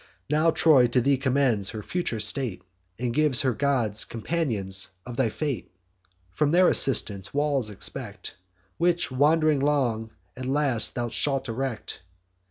Now Troy to thee commends her future state, And gives her gods companions of thy fate: From their assistance walls expect, Which, wand'ring long, at last thou shalt erect.